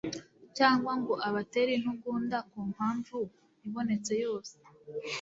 cyangwa ngo abatere intugunda ku mpamvu ibonetse yose